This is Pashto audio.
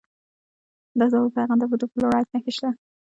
د زابل په ارغنداب کې د فلورایټ نښې شته.